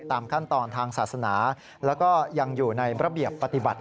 ตามขั้นตอนทางศาสนาแล้วก็ยังอยู่ในระเบียบปฏิบัติ